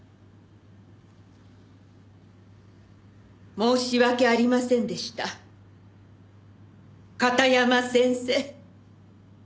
申し訳ありませんでした片山先生。